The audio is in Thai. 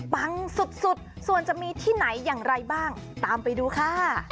ปังสุดส่วนจะมีที่ไหนอย่างไรบ้างตามไปดูค่ะ